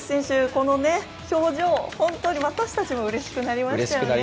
この表情、本当に私たちもうれしくなりましたよね。